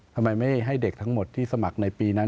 ทำไมไม่ให้เด็กทั้งหมดที่สมัครในปีนั้น